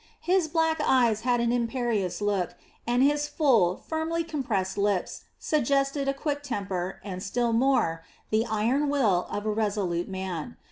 His black eyes had an imperious look, and his full, firmly compressed lips suggested a quick temper and, still more, the iron will of a resolute man.